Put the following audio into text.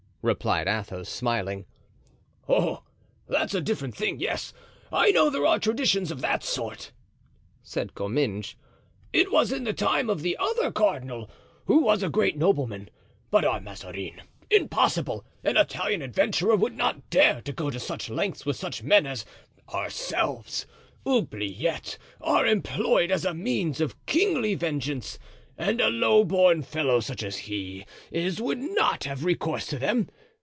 replied Athos, smiling. "Oh! that's a different thing; yes, I know there are traditions of that sort," said Comminges. "It was in the time of the other cardinal, who was a great nobleman; but our Mazarin—impossible! an Italian adventurer would not dare to go such lengths with such men as ourselves. Oubliettes are employed as a means of kingly vengeance, and a low born fellow such as he is would not have recourse to them.